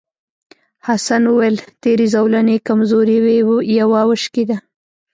حسن وویل تېرې زولنې کمزورې وې یوه وشکېده.